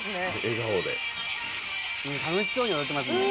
笑顔で楽しそうに踊ってますね